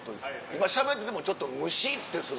今しゃべっててもちょっとむしってする。